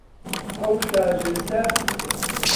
ئەو شاژنتە.